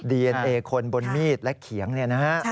ดีเอ็นเอคนบนมีดและเขียงเนี่ยนะฮะ